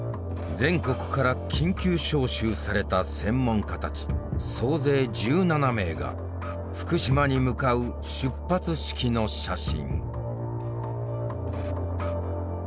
全国から緊急招集された専門家たち総勢１７名が福島に向かう出発式の写真。